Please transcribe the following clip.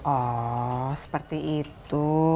oh seperti itu